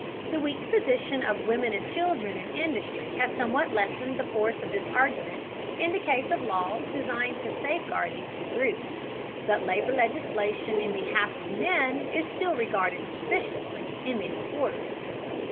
The weak position of women and children in industry has somewhat lessened the force of this argument in the case of laws designed to safeguard these two groups, but labor legislation in behalf of men is still regarded suspiciously in many quarters.